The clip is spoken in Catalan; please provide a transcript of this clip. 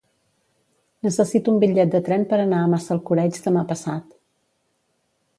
Necessito un bitllet de tren per anar a Massalcoreig demà passat.